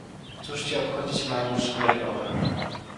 "Cóż cię obchodzić mają szmery owe?"